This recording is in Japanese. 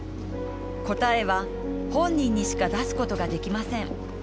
答えは、本人にしか出すことができません。